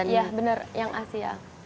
ya benar yang asia